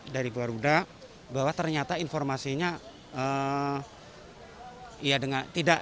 dari garuda bahwa ternyata informasinya